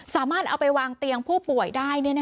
สามารถเอาไปวางเตียงผู้ป่วยได้